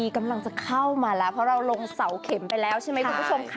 กำลังจะเข้ามาแล้วเพราะเราลงเสาเข็มไปแล้วใช่ไหมคุณผู้ชมค่ะ